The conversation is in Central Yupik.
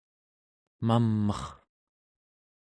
mam'er